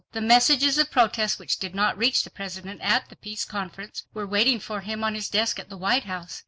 The messages of protest which did not reach the President at the Peace Conference were waiting for him on his desk at the White House.